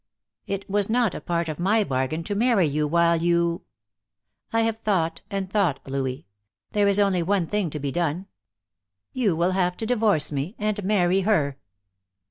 "It was not a part of my bargain to marry you while you I have thought and thought, Louis. There is only one thing to be done. You will have to divorce me, and marry her."